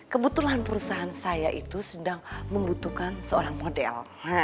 kebetulan perusahaan saya itu sedang membutuhkan seorang model